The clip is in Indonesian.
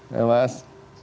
selamat malam mas